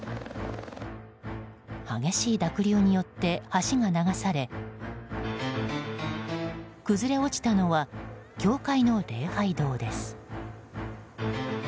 激しい濁流によって橋が流され崩れ落ちたのは教会の礼拝堂です。